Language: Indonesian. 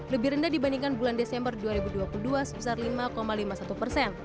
lebih rendah dibandingkan bulan desember dua ribu dua puluh dua sebesar lima lima puluh satu persen